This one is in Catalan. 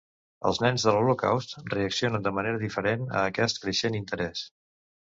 Els nens de l'holocaust reaccionen de manera diferent a aquest creixent interès.